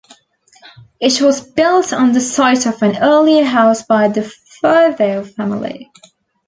It was built on the site of an earlier house by the Furtho family.